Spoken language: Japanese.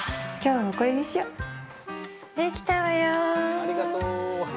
ありがとう。